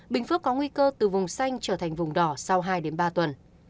bình phước có nguy cơ từ vùng xanh trở thành vùng đỏ sau hai ba tuần